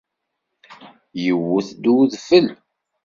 Yewwet-d udfel